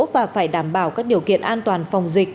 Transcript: và phải đảm bảo các điều kiện an toàn phòng dịch